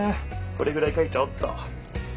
これぐらい書いちゃおうっと。